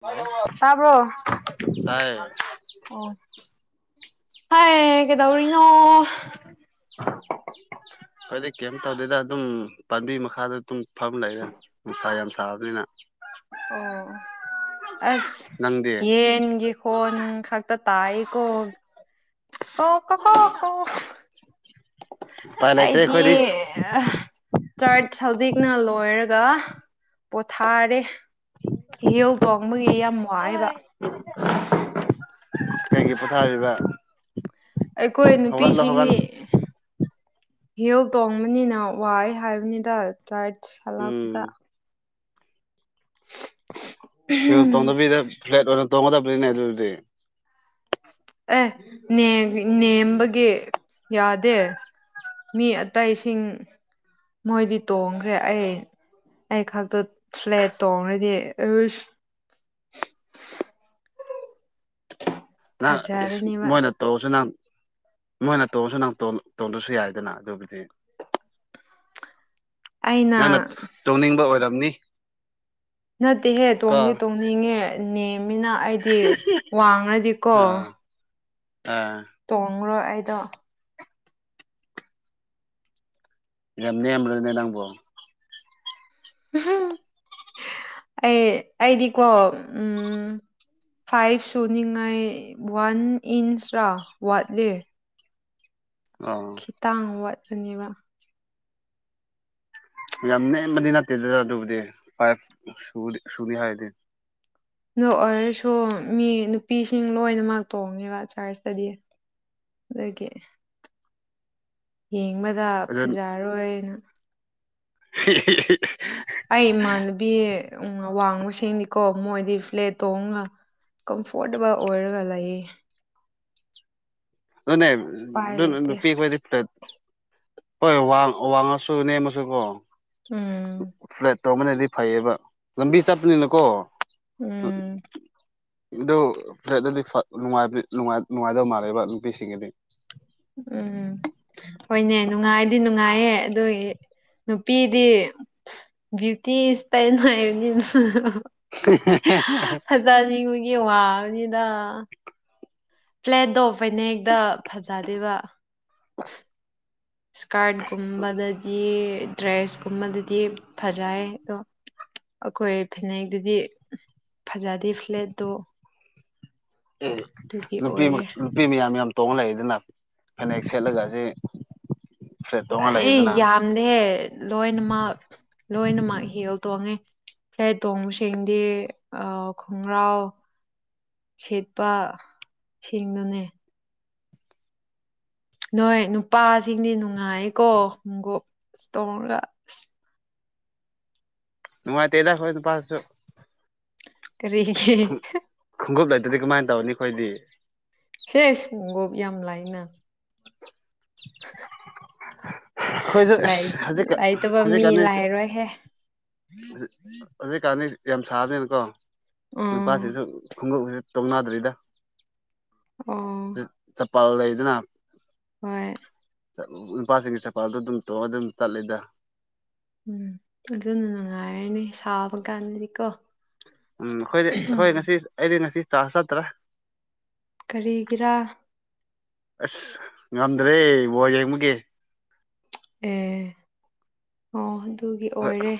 Hello ꯇꯥꯕ꯭ꯔꯣ ꯇꯥꯏꯌꯦ ꯑꯣ ꯍꯌꯦ ꯀꯩꯗꯧꯔꯤꯅꯣ ꯈꯣꯏꯗꯤ ꯀꯩꯝ ꯇꯧꯗꯦꯗ ꯑꯗꯨꯝ ꯄꯥꯝꯕꯤ ꯃꯈꯥꯗ ꯑꯗꯨꯝ ꯐꯝ ꯂꯩꯔ ꯅꯨꯡꯁꯥ ꯌꯥꯝ ꯁꯥꯕꯅꯤꯅ ꯑꯣ ꯑꯁ ꯅꯪꯗꯤ ꯌꯦꯟꯒꯤ ꯈꯣꯟ ꯈꯛꯇ ꯇꯥꯥꯏꯌꯦꯀꯣ ꯀꯣ ꯀꯣꯀꯣꯛ ꯀꯣ ꯎꯄꯥꯏ ꯂꯩꯇ꯭ꯔꯦ ꯑꯩꯗꯤ ꯑꯩꯈꯣꯏꯗꯤ ꯆꯔꯠꯁ ꯍꯧꯖꯤꯛꯅ ꯂꯣꯏꯔꯒ ꯄꯣꯊꯥꯔꯦ ꯌꯧ ꯇꯣꯡꯕꯒꯤ ꯌꯥꯝ ꯋꯥꯏꯌꯦꯕ ꯀꯩꯒꯤ ꯄꯣꯊꯥꯕꯤꯕ ꯑꯩꯈꯣꯏ ꯅꯨꯄꯤꯁꯤꯡꯗꯤ ꯍꯤꯜ ꯇꯣꯡꯕꯅꯤꯅ ꯋꯥꯏ ꯍꯥꯏꯕꯅꯤꯗ ꯆꯔꯠꯁ ꯎꯝ ꯍꯜꯂꯥꯛꯄꯗ ꯍꯤꯜꯁ ꯇꯣꯡꯗꯕꯤꯗ ꯐ꯭ꯂꯦꯠ ꯑꯣꯏꯅ ꯇꯣꯡꯒꯗꯕꯅꯤꯅꯦ ꯑꯗꯨꯗꯤ ꯑꯦ ꯅꯦꯝꯕꯒꯤ ꯌꯥꯗꯦ ꯃꯤ ꯑꯇꯩꯁꯤꯡ ꯃꯣꯏꯗꯤ ꯇꯣꯡꯈ꯭ꯔꯦ ꯑꯩ ꯑꯩ ꯈꯛꯇ ꯐ꯭ꯂꯦꯠ ꯇꯣꯡꯔꯗꯤ ꯑꯩꯁ ꯅꯪ ꯏꯁ ꯐꯖꯔꯅꯦꯕ ꯃꯣꯏꯅ ꯇꯣꯡꯔꯁꯨ ꯅꯪ ꯃꯣꯏꯅ ꯇꯣꯡꯉꯁꯨ ꯅꯪ ꯇꯣꯡꯗ꯭ꯔꯁꯨ ꯌꯥꯏꯗꯅ ꯑꯗꯨꯕꯨꯗꯤ ꯑꯩꯅ ꯅꯪꯅ ꯇꯣꯡꯅꯤꯡꯕ ꯑꯣꯏꯔꯝꯅꯤ ꯅꯠꯇꯦꯍꯦ ꯀꯣ ꯇꯣꯡꯗꯤ ꯇꯣꯡꯅꯤꯡꯉꯦ ꯅꯦꯝꯃꯤꯅ ꯑꯩꯗꯤ ꯋꯥꯡꯉꯗꯤꯀꯣ ꯑꯥ ꯑꯥ ꯇꯣꯡꯉꯔꯣꯏ ꯑꯩꯗꯣ ꯌꯥꯝ ꯅꯦꯝꯕꯔꯅꯦ ꯅꯪꯕꯣ [inaudible] ꯑꯩ ꯑꯩꯗꯤꯀꯣ ꯎꯝ ꯐꯥꯏꯚ ꯁꯨꯅꯤꯉꯥꯏ ꯋꯥꯟ ꯏꯟꯁꯔ ꯋꯥꯠꯂꯦ ꯑ ꯇꯥꯡ ꯋꯥꯠꯄꯅꯦꯕ ꯌꯥꯝ ꯅꯦꯝꯕꯗꯤ ꯅꯠꯇꯦ ꯑꯗꯨꯗ ꯑꯗꯨꯕꯨꯗꯤ ꯐꯥꯏꯞ ꯁꯨꯅꯤ ꯍꯥꯏꯔꯗꯤ ꯅꯣ ꯑꯣꯏꯔꯁꯨ ꯃꯤ ꯅꯨꯄꯤꯁꯤꯡ ꯂꯣꯏꯅꯃꯛ ꯇꯣꯡꯉꯦꯕ ꯆꯥꯔꯁꯇꯗꯤ꯫ ꯗꯨꯒꯤ ꯌꯦꯡꯕꯗ ꯑꯗꯨ ꯐꯖꯔꯣꯏꯅ [inaudible] ꯑꯩ ꯏꯃꯥꯟꯅꯕꯤ ꯎꯡ ꯑꯋꯥꯡꯕꯁꯤꯡꯅꯤꯀꯣ ꯃꯣꯏꯗꯤ ꯐ꯭ꯂꯦꯠ ꯇꯣꯡꯉꯒ ꯀꯝꯐꯣꯔꯇꯦꯕꯜ ꯑꯣꯏꯔꯒ ꯂꯩꯌꯦ꯫ ꯑꯗꯨꯅꯦ ꯎꯄꯥꯏ ꯗꯨꯅ ꯂꯩꯇꯦ ꯅꯨꯄꯤ ꯈꯣꯏ꯫ ꯐ꯭ꯂꯦꯠ ꯍꯣꯏ ꯋꯥ ꯋꯥꯡꯉꯁꯨ ꯅꯦꯝꯃꯁꯨ ꯀꯣ꯫ ꯎꯝ ꯐ꯭ꯂꯦꯠ ꯇꯧꯕꯅꯗꯤ ꯐꯩꯌꯦꯕ꯫ ꯂꯝꯕꯤ ꯆꯠꯄꯅꯤꯅꯀꯣ꯫ ꯎꯝ ꯑꯗꯨ ꯐ꯭ꯂꯦꯠꯅꯗꯤ ꯐ ꯅꯨꯡꯉꯥꯏꯕꯗꯤ ꯅꯨꯡꯉꯥꯏ ꯅꯨꯡꯉꯥꯏꯗꯧ ꯃꯥꯜꯂꯦꯕ ꯅꯨꯄꯤꯁꯤꯡꯒꯤꯗꯤ꯫ ꯎꯝ ꯍꯣꯏꯅꯦ ꯅꯨꯡꯉꯥꯏꯗꯤ ꯅꯨꯡꯉꯥꯏꯌꯦ ꯑꯗꯨꯒꯤ ꯅꯨꯄꯤꯗꯤ ꯕ꯭ꯌꯨꯇꯤ ꯏꯁ ꯄꯦꯟ ꯍꯥꯏꯕꯅꯤꯅ [inaudible] ꯆꯥꯅꯤꯡꯕꯒꯤ ꯋꯥꯕꯅꯤꯗꯥ ꯫ ꯐꯂꯦꯗꯣ ꯐꯦꯅꯦꯛꯗ ꯐꯖꯗꯦꯕ꯫ [inaudible] ꯏꯁꯀꯥꯔꯠꯒꯨꯝꯕꯗꯗꯤ ꯗ꯭ꯔꯦꯁꯀꯨꯝꯕꯗꯗꯤ ꯐꯖꯥꯏ ꯑꯗꯣ ꯑꯈꯣꯏ ꯐꯤꯅꯦꯛꯗꯗꯤ ꯐꯖꯗꯦ ꯐ꯭ꯂꯦꯠꯗꯣ ꯫ ꯑꯦ ꯅꯨꯄꯤ ꯑꯣꯏꯔꯦ ꯅꯨꯄꯤ ꯃꯌꯥꯝ ꯃꯌꯥꯝ ꯇꯣꯡꯉ ꯂꯩꯗꯅ ꯐꯅꯦꯛ ꯁꯦꯠꯂꯒ ꯁꯦ ꯑꯦ ꯌꯥꯝꯗꯦ ꯂꯣꯏꯅꯃꯛ ꯂꯣꯏꯅꯃꯛ ꯍꯦꯜ ꯇꯣꯡꯉꯦ꯫ ꯐꯂꯦꯠ ꯇꯣꯡꯕꯁꯤꯡꯗꯤ ꯑ ꯈꯣꯡꯒ꯭ꯔꯥꯎ꯫ ꯁꯦꯞꯄ ꯁꯤꯡꯅꯨꯅꯦ ꯅꯣꯏ ꯅꯨꯄꯥꯁꯤꯡꯗꯤ ꯅꯨꯡꯉꯥꯏꯌꯦꯀꯣ ꯈꯣꯡꯒꯨꯞ ꯑꯁ ꯇꯣꯡꯔꯒ꯫ ꯑꯁ ꯅꯨꯡꯉꯥꯏꯇꯦꯗ ꯈꯣꯏ ꯅꯨꯄꯥꯁꯨ꯫ ꯀꯔꯤꯒꯤ ꯫ ꯈꯨꯡꯒꯨꯞ ꯂꯩꯇꯗꯤ ꯀꯃꯥꯏ ꯇꯧꯅꯤ ꯈꯣꯏꯗꯤ꯫ ꯍꯦꯁ ꯈꯨꯡꯒꯨꯞ ꯌꯥꯝ ꯂꯥꯏꯅ ꯫ ꯈꯣꯏꯖꯨ ꯂꯩ ꯑꯁ ꯍꯧꯖꯤꯛꯀ ꯂꯩꯇꯕ ꯃꯤ ꯍꯧꯖꯤꯛꯀꯥꯟꯗꯤ ꯂꯩꯔꯣꯏꯍꯦ ꯍꯧꯖꯤꯛꯀꯥꯟꯗꯤ ꯌꯥꯝ ꯁꯥꯕꯅꯤꯅꯀꯣ꯫ ꯎꯝ ꯅꯨꯄꯥꯁꯤꯁꯨ ꯈꯣꯡꯎꯞꯍꯦ ꯇꯧꯅꯗ꯭ꯔꯤꯗ ꯑꯣ ꯖꯤ ꯆꯄꯜ ꯂꯩꯗꯅ ꯍꯣꯏ ꯅꯨꯄꯥꯁꯤꯡꯒꯤ ꯆꯄꯜꯗꯣ ꯗꯨꯝ ꯇꯣꯡꯉ ꯗꯨꯝ ꯆꯠꯂꯤꯗ꯫ ꯎꯝ ꯑꯗꯨꯅ ꯅꯨꯡꯉꯥꯏꯔꯅꯤ ꯁꯥꯕ ꯀꯥꯟꯗꯗꯤꯀꯣ꯫ ꯎꯝ ꯑꯩꯈꯣꯏꯗꯤ ꯑꯍꯣꯏ ꯎꯝ ꯉꯁꯤ ꯑꯩꯗꯤ ꯉꯁꯤ ꯆꯥꯔꯖ ꯆꯠꯇꯔꯦ ꯫ ꯀꯔꯤꯒꯤꯔꯥ ꯑꯁ ꯉꯝꯗ꯭ꯔꯦ ꯕꯣꯜ ꯌꯦꯡꯕꯒꯤ ꯫ ꯑꯦ ꯑꯣ ꯑꯗꯨꯒꯤ ꯍꯣꯏ ꯑꯣꯏꯔꯦ꯫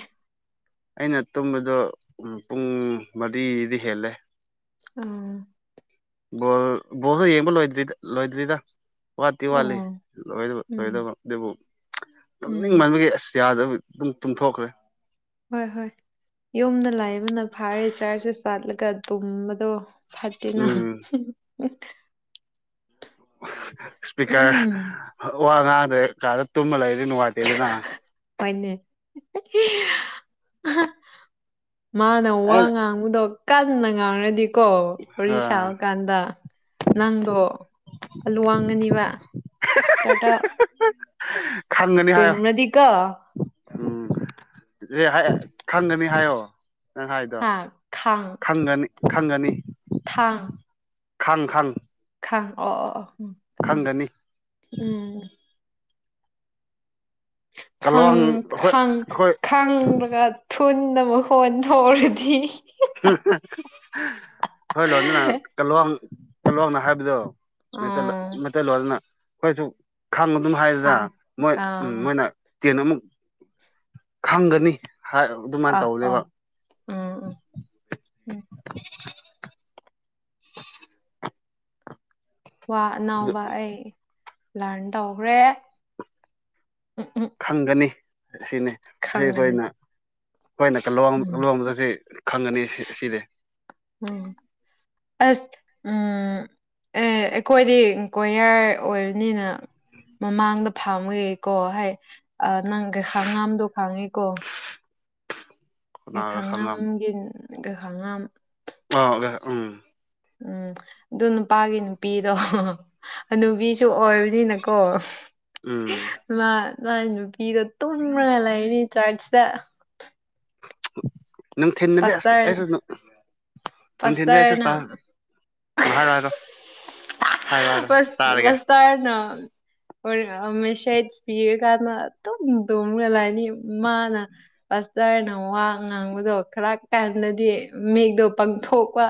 ꯑꯩꯅ ꯇꯨꯝꯕꯗꯣ ꯎ ꯄꯨꯡ ꯃꯔꯤꯗꯤ ꯍꯦꯜꯂꯦ꯫ ꯑꯣ ꯕꯣꯜ ꯕꯣꯜꯁꯨ ꯌꯦꯡꯕ ꯂꯣꯏꯗꯔ꯭ꯤ ꯂꯣꯏꯗ꯭ꯔꯤꯗ ꯋꯥꯠꯇꯤ ꯋꯥꯠꯂꯤ꯫ ꯑꯣ ꯂꯣꯏꯗꯕ ꯎꯝ ꯂꯣꯏꯗꯕ ꯑꯗꯨꯕꯨ ꯎꯝ ꯇꯨꯝꯅꯤꯡꯃꯟꯕꯒꯤ ꯑꯁ ꯌꯥꯗꯕ ꯗꯨꯝ ꯇꯨꯝꯊꯣꯛꯈ꯭ꯔꯦ꯫ ꯍꯣꯏ ꯍꯣꯏ ꯌꯨꯝꯗ ꯂꯥꯏ ꯑꯃꯅ ꯐꯥꯔꯦ ꯆꯔꯁꯁꯦ ꯆꯥꯠꯂꯒ ꯇꯨꯝꯕꯗꯣ ꯐꯇꯦꯅ ꯎꯝ ꯏꯁꯄꯤꯀꯔ ꯋꯥ ꯉꯥꯡꯗꯦ ꯀꯥꯗ ꯇꯨꯝꯃ ꯂꯩꯔꯗꯤ ꯅꯨꯡꯉꯥꯏꯇꯦꯗꯅ ꯃꯅꯦ ꯑꯍꯥ ꯃꯥꯅ ꯋꯥ ꯑꯩꯅ ꯉꯥꯡꯕꯗꯣ ꯀꯟꯅ ꯉꯥꯡꯔꯗꯤꯀꯣ ꯑ ꯋꯥꯔꯤꯁꯥ ꯀꯥꯟꯗ ꯅꯪꯗꯣ ꯑꯂꯨꯋꯥꯡꯒꯅꯤꯕ ꯏꯁꯇꯥꯔꯠ ꯈꯪꯒꯅꯤ ꯍꯥꯏꯌꯣ ꯇꯨꯝꯔꯗꯤꯀꯣ ꯎꯝ ꯑꯩ ꯈꯪꯒꯅꯤ ꯍꯥꯏꯌꯣ ꯅꯪ ꯍꯥꯏꯗꯣ ꯍꯥ ꯈꯥꯡ ꯈꯪꯒꯅꯤ ꯈꯪꯒꯅꯤ ꯊꯥꯡ ꯈꯪ ꯈꯪ ꯈꯪ ꯑꯣ ꯑꯣ ꯎꯝ ꯈꯪ ꯈꯪꯒꯅꯤ ꯎꯝ ꯈꯪ ꯀꯂ꯭ꯋꯥꯡ ꯑꯩꯈꯣꯏ ꯈꯪ ꯑꯩꯈꯣꯏ ꯈꯪ꯭ꯔꯒ ꯊꯨꯅꯗ ꯃꯈꯣꯟ ꯊꯣꯛꯔꯗꯤ ꯍꯣꯏ ꯂꯣꯗꯅ ꯀꯂꯣꯡ ꯀꯂꯣꯡꯅ ꯍꯥꯏꯕꯗꯣ ꯃꯩꯇꯩꯂꯣꯟꯅ ꯑꯣ ꯃꯩꯇꯩꯂꯣꯟꯅ ꯑꯩꯈꯣꯏꯁꯨ ꯈꯥꯡꯕ ꯑꯗꯨꯝ ꯍꯥꯏꯗꯅ ꯈꯥꯡ ꯃꯣꯏ ꯎꯝ ꯑꯥ ꯃꯣꯏꯅ ꯇꯦꯅꯃꯨꯛ ꯈꯪꯒꯅꯤ ꯍꯥꯏ ꯑꯥ ꯑꯣ ꯎꯝ ꯎꯝ ꯎꯝ [unintelligible] [inaudible] ꯋꯥ ꯑꯗꯨ ꯑꯅꯥꯎꯕ ꯑꯩ ꯂꯔꯟ ꯇꯧꯈ꯭ꯔꯦ ꯎꯝ ꯎꯝ ꯈꯪꯒꯅꯤ ꯑꯁꯤꯅꯤ ꯁꯤ ꯈꯪꯉꯅꯤ ꯑꯩꯈꯣꯏꯅ ꯑꯩꯈꯣꯏꯅ ꯀꯂꯣꯡ ꯎꯝ ꯂꯣꯟꯕꯗꯁꯤ ꯈꯪꯉꯅꯤ ꯑꯁꯤ ꯁꯤꯗꯤ ꯎꯝ ꯑꯁ ꯎꯝ ꯑꯦ ꯑꯩꯈꯣꯏꯗꯤ ꯀꯣꯌꯔ ꯑꯣꯏꯕꯅꯤꯅ ꯃꯃꯥꯡꯗ ꯐꯪꯕꯒꯤꯀꯣ ꯍꯥꯏ ꯑꯥ ꯅꯪ ꯀꯩ ꯈꯪꯉꯝꯗꯣ ꯈꯥꯡꯉꯤꯀꯣ ꯀꯅꯥꯒ ꯈꯪꯉꯝ ꯈꯥꯡꯉꯝꯒꯤ ꯈꯥꯡꯉꯝ ꯑꯣ ꯎꯝ ꯎꯝ ꯑꯗꯨ ꯅꯨꯄꯥꯒꯤ ꯅꯨꯄꯤꯗꯣ ꯍꯟꯅꯨꯕꯤꯁꯨ ꯑꯣꯏ ꯅꯀꯣ ꯎꯝ ꯃꯥ ꯃꯥ ꯅꯨꯄꯤꯗꯣ ꯇꯨꯝꯔꯒ ꯂꯩꯔꯤꯅꯤ ꯆꯔꯁꯇ ꯅꯨꯡꯊꯤꯜꯗꯗꯤ ꯑꯁ ꯄꯥꯁꯇꯔ ꯑꯩꯁꯨ ꯅꯨꯡꯊꯤꯟꯗꯤ ꯑꯧꯁꯨ ꯄꯥꯁꯇꯔꯅ ꯆꯔꯁ ꯎꯝ ꯍꯥꯏꯔꯣ ꯍꯥꯏꯔꯣ ꯍꯥꯏꯔꯣ ꯍꯥꯏꯔꯣ ꯄꯁ ꯇꯥꯔꯒꯦ ꯄꯥꯁꯇꯔꯅ ꯑꯣ [unintelligible] ꯀꯅ ꯑꯗꯨꯝ ꯗꯃꯒ ꯂꯥꯏꯅꯤ ꯃꯥꯅ ꯄꯁꯇꯔꯅ ꯋꯥ ꯉꯥꯡꯕꯗꯣ ꯈꯔ ꯀꯥꯟꯗꯗꯤ ꯃꯤꯠꯗꯣ ꯄꯥꯡꯊꯣꯛꯄ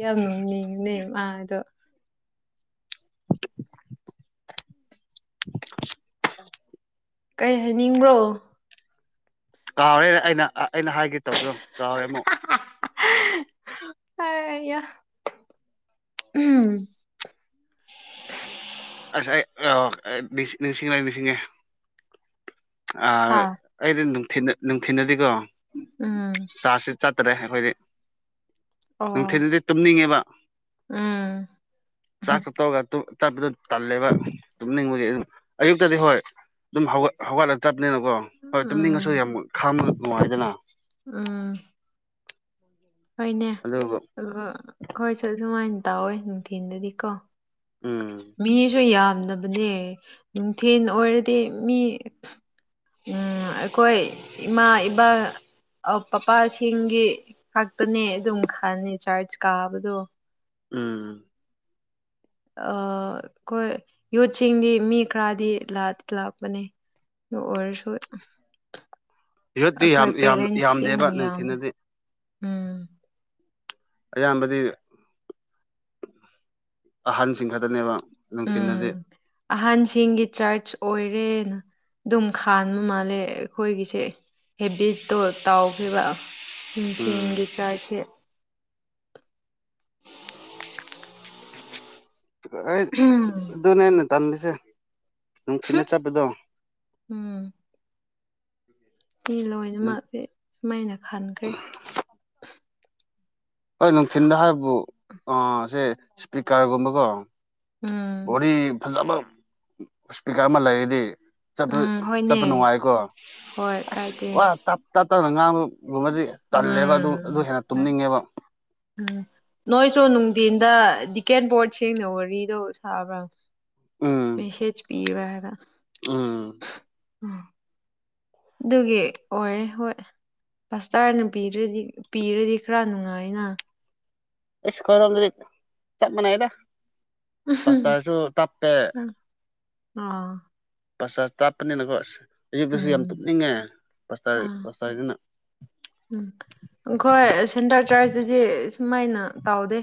ꯌꯥꯝ ꯅꯣꯛꯅꯤꯡꯕꯅꯦ ꯃꯥꯗꯣ [inaudible] ꯀꯩ ꯍꯥꯏꯅꯤꯡꯕ꯭ꯔꯣ ꯀꯥꯎꯔꯦ ꯑꯩꯅ ꯑꯩꯅ ꯍꯥꯏꯒꯦ ꯇꯧꯕꯗꯣ ꯀꯥꯎꯔꯦ ꯑꯃꯨꯛ ꯑꯩꯌꯥ ꯎꯝ ꯑꯁ ꯑꯩ ꯑꯣ ꯅꯤꯡ ꯅꯤꯡꯁꯤꯡꯉꯦ ꯅꯤꯡꯁꯤꯡꯉꯦ ꯑꯥ ꯍꯥꯥ ꯑꯩꯗꯤ ꯅꯨꯡꯊꯤꯟꯗ ꯅꯨꯡꯊꯤꯅꯗꯗꯤꯀꯣ ꯎꯝ ꯆꯥꯔꯁꯤ ꯆꯥꯠꯇꯔꯦ ꯑꯩꯈꯣꯏꯗꯤ ꯑꯣ ꯅꯨꯡꯊꯤꯗꯗꯤ ꯇꯨꯝꯅꯤꯡꯉꯦꯕ ꯎꯝ ꯆꯥꯛ ꯆꯇꯧꯒ ꯇꯨꯝ ꯆꯠꯄꯗꯣ ꯇꯜꯂꯦꯕ ꯇꯨꯝꯅꯤꯡꯕꯒꯤ ꯑꯗꯨꯝ ꯑꯌꯨꯛꯇꯗꯤ ꯍꯣꯏ ꯑꯗꯨꯝ ꯍꯧꯒꯠ ꯍꯧꯒꯠꯂ ꯆꯠꯄꯅꯤꯅꯀꯣ ꯍꯣꯏ ꯇꯨꯝꯅꯤꯡꯉꯁꯨ ꯎꯝ ꯌꯥꯝ ꯈꯥꯝꯃ ꯅꯨꯡꯉꯥꯏꯗꯅ ꯎꯝ ꯍꯣꯏꯅꯦ ꯑꯗꯨꯒ ꯑꯗꯨꯒ ꯈꯣꯏꯁꯨ ꯁꯨꯃꯥꯏꯟ ꯇꯧꯋꯦ ꯅꯨꯡꯊꯤꯟꯗꯗꯤ ꯀꯣ ꯎꯝ ꯃꯤꯁꯨ ꯌꯥꯝꯗꯕꯅꯦ ꯅꯨꯡꯊꯤꯜ ꯑꯣꯏꯔꯗꯤ ꯃꯤ ꯎꯪ ꯑꯩꯈꯣꯏ ꯏꯃꯥ ꯏꯕ ꯑ ꯄꯄꯥꯁꯤꯡꯒꯤ ꯈꯛꯇꯅꯦ ꯑꯗꯨꯝ ꯈꯟꯅꯤ ꯆꯔꯖ ꯀꯥꯕꯗꯣ ꯎꯝ ꯑ ꯑꯈꯣꯏ ꯌꯨꯠꯁꯤꯡꯗꯤ ꯃꯤ ꯈꯔꯗꯤ ꯂꯥꯛ ꯂꯥꯛꯄꯅꯦ ꯗꯨ ꯑꯣꯏꯔꯁꯨ ꯌꯨꯠꯇꯤ ꯌꯥꯝ ꯑꯩꯈꯣꯏ ꯌꯥꯝ ꯌꯥꯝꯗꯦꯕ ꯄꯦꯔꯦꯟꯁꯁꯤꯡꯅ ꯌꯥꯝꯃꯦ ꯅꯨꯡꯊꯤꯟꯗꯗꯤ ꯎꯝ ꯑꯌꯥꯝꯕꯗꯤ ꯑꯍꯟꯁꯤꯡ ꯈꯠꯇꯅꯦꯕ ꯅꯨꯡꯊꯤꯟꯗꯗꯤ ꯎꯝ ꯑꯍꯟꯁꯤꯡꯒꯤ ꯆꯔꯆ ꯑꯣꯏꯔꯦꯅ ꯗꯨꯝ ꯈꯥꯟꯕ ꯃꯥꯜꯂꯦ ꯑꯩꯈꯣꯏꯒꯤꯁꯦ ꯍꯦꯕꯤꯠꯇꯣ ꯇꯥꯎꯈꯤꯕ ꯑ ꯎꯝ ꯅꯤꯡꯊꯦꯝꯒꯤ ꯆꯥꯔꯖꯁꯦ ꯑꯩꯠ ꯑꯗꯨꯅꯦꯅ ꯇꯥꯟꯕꯤꯁꯦ ꯅꯨꯡꯊꯤꯟꯅ ꯆꯠꯄꯗꯣ ꯎꯝ ꯃꯤ ꯂꯣꯏꯅꯃꯛꯁꯦ ꯁꯨꯃꯥꯏꯅ ꯈꯟꯈ꯭ꯔꯦ ꯍꯣꯏ ꯅꯨꯡꯊꯤꯟꯗ ꯍꯥꯏꯕꯕꯨ ꯑꯣ ꯁꯦ ꯏꯁꯄꯤꯀꯔꯒꯨꯝꯕꯀꯣ ꯎꯝ ꯕꯣꯔꯤ ꯐꯖꯕ ꯏꯁꯄꯤꯀꯔ ꯑꯃ ꯂꯩꯔꯗꯤ ꯆꯠꯄ ꯎꯝ ꯆꯠꯄ ꯍꯣꯏꯅꯦ ꯅꯨꯡꯉꯥꯏꯀꯣ ꯍꯣꯏ ꯑꯁ ꯀꯥꯏꯗꯦ ꯋꯥ ꯇꯞ ꯇꯞ ꯇꯞꯅ ꯉꯥꯡꯕꯒꯨꯝꯕꯗꯤ ꯇꯜꯂꯦꯕ ꯑꯗꯨ ꯎꯝ ꯑꯗꯨ ꯍꯦꯟꯅ ꯍꯣꯏ ꯇꯨꯝꯅꯤꯡꯉꯦꯕ ꯎꯝ ꯅꯣꯏꯁꯨ ꯅꯨꯡꯊꯤꯟꯗ ꯗꯤꯀꯦꯠ ꯕꯣꯔꯗ ꯁꯦꯡꯅ ꯋꯥꯔꯤꯗꯣ ꯁꯥꯕ꯭ꯔꯥ ꯎꯝ ꯃꯦꯁꯦꯁ ꯄꯤꯕꯔ ꯍꯥꯏꯕ ꯎꯝ ꯑꯣ ꯗꯨꯒꯤ ꯑꯣꯏꯔꯦ ꯍꯣꯏ ꯄꯁꯇꯥꯔꯅ ꯄꯤꯗꯔꯗꯤ ꯄꯤꯔꯗꯤ ꯈꯔ ꯅꯨꯡꯉꯥꯏꯅ ꯏꯁ ꯈꯣꯏꯔꯝꯗꯗꯤ ꯆꯞ ꯃꯅꯩꯌꯦꯗ ꯄꯥꯁꯇꯔꯁꯨ ꯇꯞꯄꯦ ꯑꯥ ꯄꯁꯇ꯭ꯔ ꯇꯥꯞꯄꯅꯤꯅꯀꯣ ꯑꯁ ꯑꯌꯨꯛꯇꯁꯨ ꯌꯥꯝ ꯎꯝ ꯇꯨꯝꯅꯤꯡꯉꯦ ꯄꯁꯇ꯭ꯔ ꯑꯥ ꯄꯁꯇ꯭ꯔꯗꯨꯅ ꯎꯝ ꯑꯪꯈꯣꯏ ꯑ ꯁꯦꯟꯇꯔ ꯆꯥꯔꯖꯇꯗꯤ ꯁꯨꯃꯥꯏꯅ ꯇꯧꯗꯦ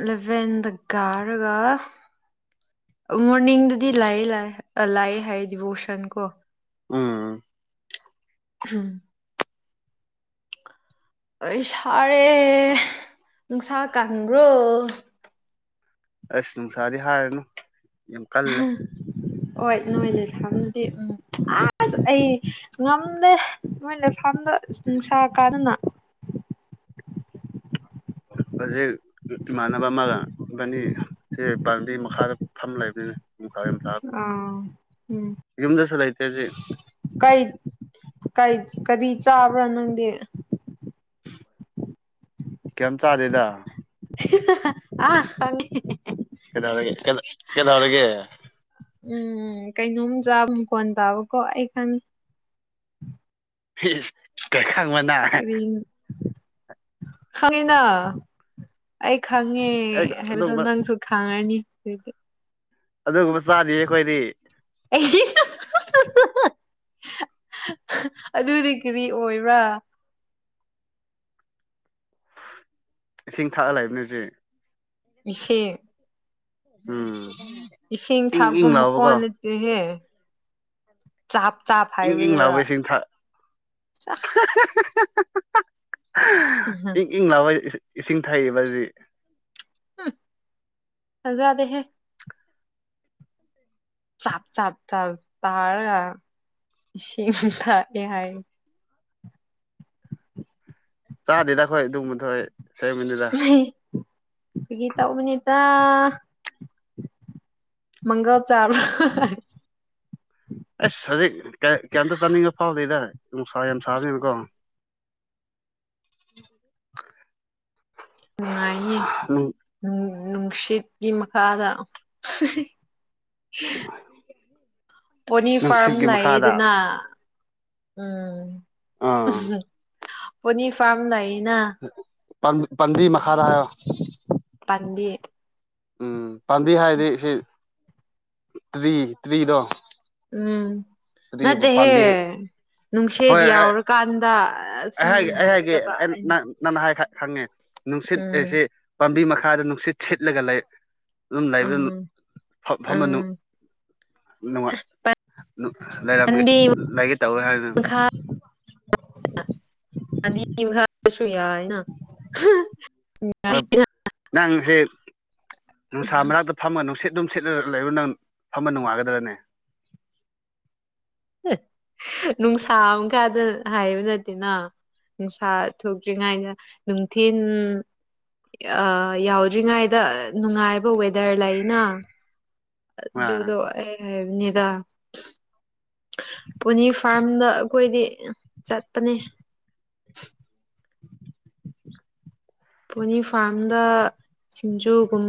ꯏꯂꯚꯦꯟꯗ ꯀꯥꯔꯒ ꯑ ꯃꯣꯔꯅꯤꯡꯗꯗꯤ ꯂꯥꯏꯌꯦ ꯂꯥꯏ ꯑ ꯂꯥꯏꯌꯦ ꯍꯥꯏꯌꯦ ꯗꯤꯚꯣꯁꯟ ꯀꯣ ꯎꯝ [unintelligible] ꯑꯩ ꯁꯥꯔꯦ ꯅꯨꯡꯁꯥ ꯀꯟꯕ꯭ꯔꯣ ꯑꯁ ꯅꯨꯡꯁꯥꯗꯤ ꯍꯥꯏꯔꯅꯨ ꯌꯥꯝ ꯀꯜꯂꯦ ꯍꯣꯏ ꯅꯣꯏꯗꯤ ꯊꯝꯗꯦ ꯎꯝ ꯑꯁ ꯑꯩ ꯉꯝꯗꯦ ꯃꯣꯏꯅ ꯁꯝꯗ ꯅꯨꯡꯁꯥ ꯀꯥꯟꯗꯅ ꯑꯣꯖꯦꯛ ꯏꯃꯥꯟꯅꯕ ꯑꯃꯒ ꯏꯕꯅꯤ ꯁꯤ ꯄꯥꯝꯕꯤ ꯃꯈꯥꯗ ꯐꯝ ꯂꯩꯕꯅꯤꯅ ꯀꯥꯏ ꯑꯥ ꯎꯝ ꯌꯨꯝꯗꯁꯨ ꯂꯩꯇꯦ ꯍꯨꯖꯤꯛ ꯀꯩ ꯀꯩ ꯀꯔꯤ ꯆꯥꯕ꯭ꯔꯥ ꯅꯪꯗꯤ ꯀꯩꯝ ꯆꯥꯗꯦꯗ ꯑ ꯈꯪꯉꯦ ꯀꯩꯗꯧꯕꯒꯤ ꯀꯩ ꯀꯩꯗꯧꯔꯒꯦ ꯎꯝ ꯀꯩꯅꯣꯝ ꯆꯥ ꯃ ꯀꯣꯟ ꯇꯥꯕꯀꯣ ꯑꯩ ꯈꯪꯉꯤ ꯐꯤꯁ ꯀꯩ ꯈꯪꯕ ꯅꯪ ꯀꯔꯤ ꯈꯪꯉꯤꯅ ꯑꯩ ꯈꯪꯉꯦ ꯍꯥꯏꯕꯗꯣ ꯑꯗꯨꯒꯨꯝꯕ ꯅꯪꯁꯨ ꯈꯪꯔꯅꯤ ꯑꯗꯨꯗꯤ ꯑꯗꯨꯒꯨꯝꯕ ꯆꯥꯗꯤꯌꯦ ꯈꯣꯏꯗꯤ [unintelligible] ꯑꯗꯨꯗꯤ ꯀꯔꯤ ꯑꯣꯏꯕ꯭ꯔꯥ ꯏꯁꯤꯡ ꯊꯥꯛꯑꯒ ꯂꯩꯕꯅ ꯍꯧꯖꯤꯛ ꯏꯁꯤꯡ ꯎꯝ ꯏꯁꯤꯡ ꯏꯪ ꯊꯥꯛꯄ ꯏꯪ ꯂꯥꯎꯕꯀꯣ ꯃꯈꯣꯟꯖꯤꯗꯤꯍꯦ ꯆꯞ ꯆꯞ ꯏꯪ ꯏꯪ ꯂꯥꯕꯩ ꯏꯁꯤꯡ ꯊꯥꯛ ꯏꯪ ꯏꯪ ꯂꯥꯎꯕ ꯏ ꯏꯁꯤꯡ ꯊꯛꯏꯕꯖꯤ ꯐꯖꯥꯗꯦ ꯍꯦ ꯆꯞ ꯆꯞ ꯆꯞ ꯇꯔꯒ ꯆꯁꯤꯡ ꯊꯛꯑꯦ ꯍꯥꯏ ꯆꯥꯗꯦꯗ ꯑꯈꯣꯏ ꯑꯗꯨꯒꯕꯗꯣꯏ ꯁꯔꯃꯤꯗ ꯐꯒꯤ ꯇꯧꯕꯅꯤꯗ ꯃꯪꯒꯜ ꯆꯥꯕ ꯑꯁ ꯍꯧꯖꯤꯛ ꯀꯩ ꯀꯩꯝꯇ ꯆꯥꯅꯤꯡꯕ ꯐꯥꯎꯗꯦꯗ ꯅꯨꯡꯁꯥ ꯌꯥꯝ ꯁꯥꯕꯅꯤꯅꯀꯣ ꯅꯨꯡꯉꯥꯏꯅꯤ ꯅꯨꯡ ꯅꯨꯡꯁꯤꯠꯀꯤ ꯃꯈꯥꯗ ꯄꯣꯅꯤꯔ ꯐꯥꯔꯝ ꯅꯨꯡꯁꯤꯠꯀꯤ ꯃꯈꯥꯗ ꯂꯥꯛꯌꯦꯗꯅ ꯎꯝ ꯑꯥ ꯄꯅꯤꯔ ꯐꯥꯔꯝ ꯂꯩꯏꯅ ꯄꯝ ꯄꯝꯕꯤ ꯃꯈꯥꯗ ꯍꯥꯏꯌꯣ ꯄꯟꯕꯤ ꯎꯝ ꯄꯥꯝꯕꯤ ꯍꯥꯏꯔꯗꯤ ꯁꯤ ꯇ꯭ꯔꯤ ꯇ꯭ꯔꯤꯗꯣ ꯎꯝ ꯇ꯭ꯔꯤꯕꯨ ꯄꯥꯝꯕꯤ ꯅꯠꯇꯦꯍꯦ ꯅꯨꯡꯁꯤꯠ ꯍꯣꯏ ꯌꯥꯎꯔꯀꯥꯟꯗ ꯑꯩ ꯑꯁꯨꯃꯥꯏꯅ ꯍꯥꯏꯒꯦ ꯑꯩ ꯍꯥꯏꯒꯗꯕ ꯍꯥꯏꯒꯦ ꯑꯩꯅ ꯅꯪꯅ ꯍꯥꯏ ꯈꯛ ꯈꯪꯉꯦ ꯅꯨꯡꯁꯤꯠ ꯎꯝ ꯑꯦꯁꯦ ꯄꯥꯝꯕꯤ ꯃꯈꯥꯗ ꯅꯨꯡꯁꯤꯠ ꯁꯤꯠꯂꯒ ꯂꯩ ꯑꯗꯨꯝ ꯂꯩꯕ ꯎꯝ ꯐꯝ ꯎꯝ ꯐꯝꯃꯅꯨ ꯅꯨꯡꯉꯥꯏ ꯂꯩꯔꯝꯒꯦ ꯄꯥꯟꯕꯤ ꯂꯩꯒꯦ ꯇꯧꯋꯦ ꯍꯥꯏꯅ ꯃꯈꯥ ꯑꯅꯤ ꯍꯥꯞꯄꯁꯨ ꯌꯥꯏꯅ ꯅꯨꯉꯥꯏꯅ ꯅꯪꯁꯤ ꯅꯨꯡꯁꯥ‌ ꯃꯔꯛ ꯐꯝꯃ ꯅꯨꯡꯁꯤꯠ ꯅꯨꯡꯁꯤꯠꯂ ꯂꯩꯔ ꯅꯪ ꯐꯝꯕ ꯅꯨꯡꯉꯥꯏꯒꯗ꯭ꯔꯅꯦ ꯅꯨꯡꯁꯥ ꯃꯈꯥꯗ ꯍꯥꯏꯕ ꯅꯠꯇꯦꯅ ꯅꯨꯡꯁꯥ ꯊꯣꯛꯇ꯭ꯔꯤꯉꯥꯏꯗ ꯅꯨꯡꯊꯤꯟ ꯑ ꯌꯥꯎꯗ꯭ꯔꯤꯉꯥꯏꯗ ꯅꯨꯡꯉꯥꯏꯕ ꯋꯦꯗꯔ ꯂꯩꯅ ꯑꯥ ꯑꯗꯨꯗꯣ ꯑꯩ ꯍꯥꯏꯕꯅꯤꯗ ꯄꯨꯅꯤ ꯐꯥꯔꯝꯗ ꯑꯩꯈꯣꯏꯗꯤ ꯆꯠꯄꯅꯦ ꯄꯨꯅꯤ ꯐꯥꯝꯗ ꯁꯤꯡꯖꯨꯒꯨꯝ__